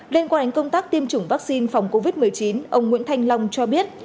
liên quan công tác tiêm chủng vaccine phòng covid một mươi chín ông nguyễn thanh long cho biết